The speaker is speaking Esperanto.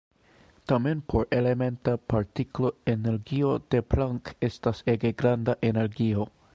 Tamen por elementa partiklo energio de Planck estas ege granda energio.